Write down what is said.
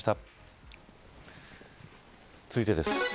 続いてです。